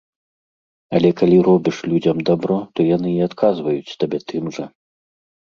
Але калі робіш людзям дабро, то яны і адказваюць табе тым жа.